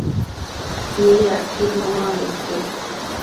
midacquid nuambo iquec?